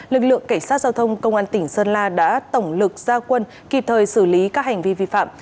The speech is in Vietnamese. lực lượng cảnh sát giao thông công an tỉnh sơn la đã tổng lực gia quân kịp thời xử lý các hành vi vi phạm